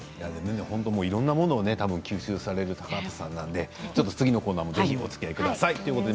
いろんなものを吸収される高畑さんなので次のコーナーもぜひおつきあいください。